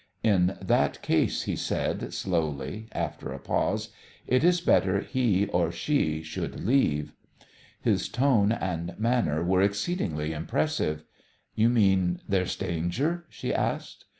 "In that case," he said slowly after a pause, "it is better he or she should leave." His tone and manner were exceedingly impressive. "You mean there's danger?" she asked.